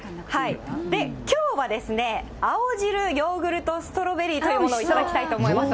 きょうはですね、青汁ヨーグルトストロベリーというものを頂きたいと思います。